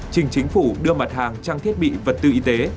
trình chính phủ đưa mặt hàng trang thiết bị vật tư y tế